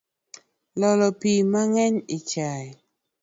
Iolo pii mangeny e chai